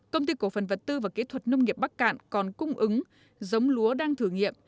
công ty cổ phần vật tư và kỹ thuật nông nghiệp bắc cạn còn cung ứng giống lúa đang thử nghiệm